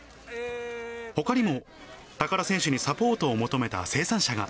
ほかにも、高田選手にサポートを求めた生産者が。